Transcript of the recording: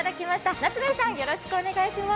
夏夢さんよろしくお願いします。